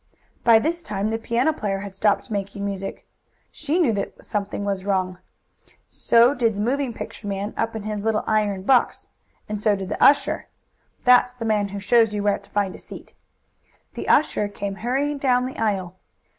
By this time the piano player had stopped making music. She knew that something was wrong. So did the moving picture man up in his little iron box, and so did the usher that's the man who shows you where to find a seat. The usher came hurrying down the aisle.